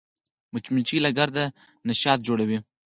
مچمچۍ له ګرده نه شات جوړوي